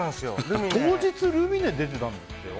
当日ルミネ出てたんだってよ？